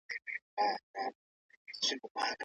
څه ډول قوانین د سالم رقابت ملاتړ کوي؟